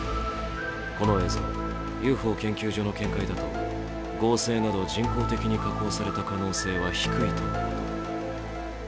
この映像、ＵＦＯ研究所の見解だと合成など人工的に加工された可能性は低いとのこと。